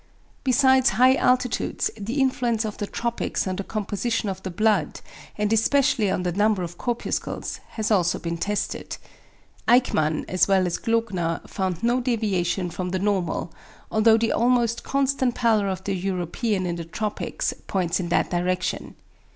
Besides high altitudes, the influence of the tropics on the composition of the blood and especially on the number of corpuscles has also been tested. Eykmann as well as Glogner found no deviation from the normal, although the almost constant pallor of the European in the tropics points in that direction.